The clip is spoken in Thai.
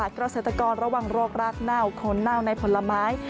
และเศรษฐกรระหว่างโรคราคเน่าคนเน่าในผลไม้